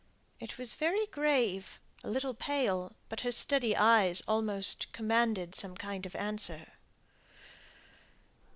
It was very grave, a little pale, but her steady eyes almost commanded some kind of answer.